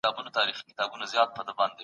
تاریخ یې د انګیرونو سرچینه ده.